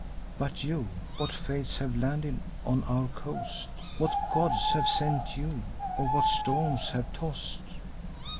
But you, what fates have landed on our coast? What gods have sent you, or what storms have toss'd?